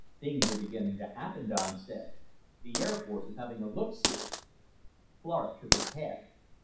"Things are beginning to happen," Don said. "The Air Force is having a look see." Clark shook his head.